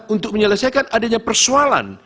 untuk menyelesaikan adanya persoalan